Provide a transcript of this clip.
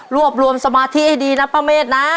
รวบรวมสมาธิให้ดีนะป้าเมฆนะ